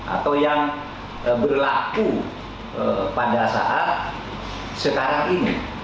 atau yang berlaku pada saat sekarang ini